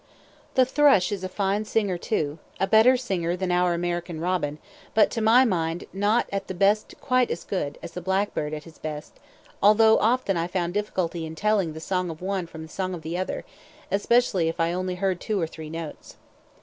The thrush is a fine singer too, a better singer than our American robin, but to my mind not at the best quite as good as the blackbird at his best; although often I found difficulty in telling the song of one from the song of the other, especially if I only heard two or three notes.